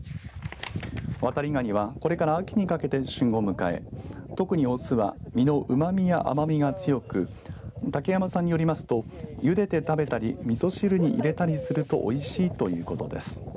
ワタリガニはこれから秋にかけて旬を迎え特に雄は身のうまみや甘みが強く竹山さんによりますとゆでて食べたりみそ汁に入れたりするとおいしいということです。